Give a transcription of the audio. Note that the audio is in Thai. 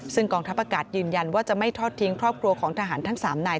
ซึ่งกองทัพอากาศยืนยันว่าจะไม่ทอดทิ้งครอบครัวของทหารทั้ง๓นาย